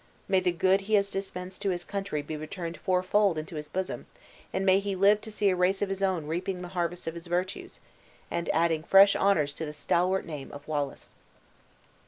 May the good he has dispensed to his country be returned four fold into his bosom; and may he live to see a race of his own reaping the harvest of his virtues, and adding fresh honors to the stalwart name of Wallace!"